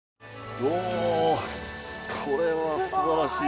うおこれはすばらしい！